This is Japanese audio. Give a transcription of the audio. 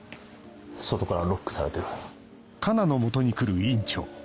外からロックされてる。